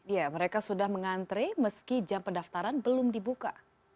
ya mereka sudah mengantre meski jam pendaftaran belum dibuka